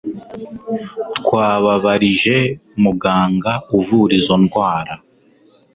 Twababarije muganga uvura izo ndwara